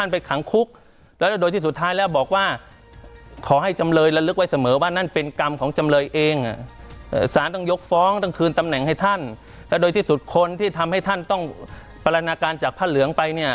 ไปเนี่ยมีอันต้องถือ